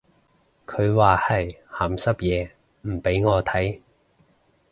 佢話係鹹濕嘢唔俾我睇